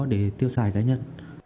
để tiêu xài cá nhân